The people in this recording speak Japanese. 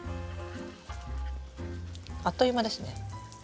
あっという間ですね。ね